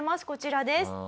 こちらです。